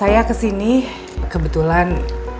aku beryn talking